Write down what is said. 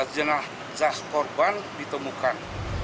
jenah jas korban ditemukan